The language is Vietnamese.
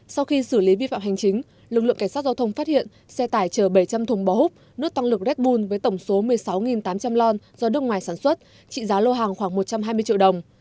sau khi xử lý vi phạm hành chính lực lượng cảnh sát giao thông phát hiện xe tải chở bảy trăm linh thùng bò hút nước tăng lực red bul với tổng số một mươi sáu tám trăm linh lon do nước ngoài sản xuất trị giá lô hàng khoảng một trăm hai mươi triệu đồng